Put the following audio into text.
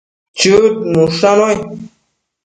Chëd nushannuai